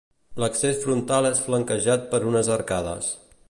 L'accés frontal és flanquejat per unes arcades.